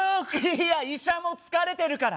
いや医者も疲れてるから。